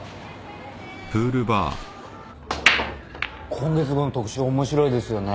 今月号の特集面白いですよね。